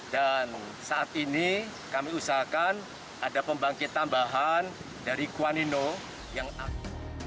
dan saat ini kami usahakan ada pembangkit tambahan dari kuanino yang ada